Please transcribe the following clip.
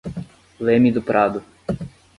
Leme do Prado